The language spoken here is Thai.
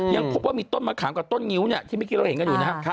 ยังพบว่ามีต้นมะขามกับต้นงิ้วเนี่ยที่เมื่อกี้เราเห็นกันอยู่นะครับ